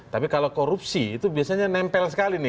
tapi kalau korupsi itu biasanya nempel sekali nih